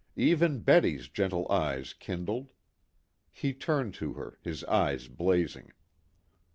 Even Betty's gentle eyes kindled. He turned to her, his eyes blazing.